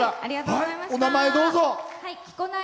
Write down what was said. お名前をどうぞ。